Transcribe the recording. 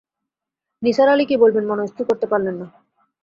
নিসার আলি কী বলবেন মনস্থির করতে পারলেন না।